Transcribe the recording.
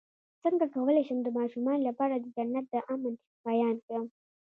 څنګه کولی شم د ماشومانو لپاره د جنت د امن بیان کړم